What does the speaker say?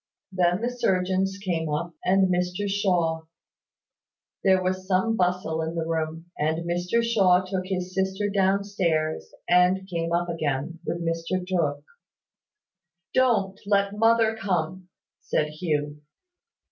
Then the surgeons came up, and Mr Shaw. There was some bustle in the room, and Mr Shaw took his sister down stairs, and came up again, with Mr Tooke. "Don't let mother come," said Hugh.